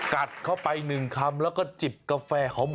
กัดเข้าไปหนึ่งคำแล้วก็จิบกาแฟหอม